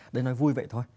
để nói vui vậy thôi